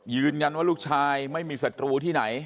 ยืนยันว่าลูกชายไม่มีศัตรูที่ไหน